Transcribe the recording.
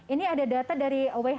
ini ada data dari who